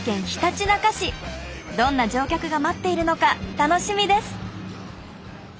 どんな乗客が待っているのか楽しみです。